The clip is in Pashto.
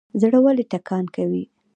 زړه ولې ټکان کوي؟